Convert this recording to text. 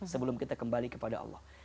sebelum kita kembali kepada allah